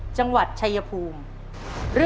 จังหวัดชายภูมิ